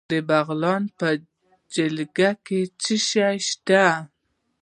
د بغلان په جلګه کې څه شی شته؟